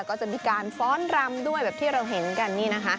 ก็จะมีการฟ้อนรำด้วยแบบที่เราเห็นกันนี่นะคะ